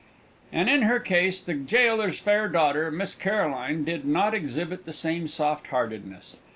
And in her case the gaoler's fair daughter, Miss Caroline, did not exhibit the same softheartedness.